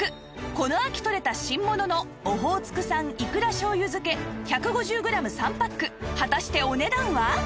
この秋取れた新物のオホーツク産いくら醤油漬け１５０グラム３パック果たしてお値段は？